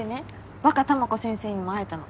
ワカタマコ先生にも会えたの。